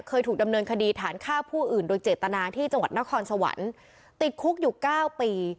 เคยถูกดำเนินคดีฐานฆ่าผู้อื่นโดยเจตนาที่จังหวัดนครสวรรค์ติดคุกอยู่เก้าปี